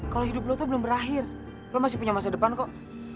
kalau hidup lo tuh belum berakhir lo masih punya masa depan kok